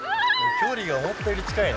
距離が思ったより近いな。